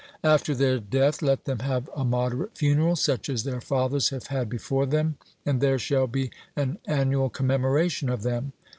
After their death let them have a moderate funeral, such as their fathers have had before them; and there shall be an annual commemoration of them.